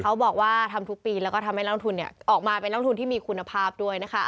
เขาบอกว่าทำทุกปีแล้วก็ทำให้นักลงทุนเนี่ยออกมาเป็นนักทุนที่มีคุณภาพด้วยนะคะ